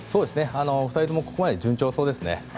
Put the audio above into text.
２人ともここまで順調そうですね。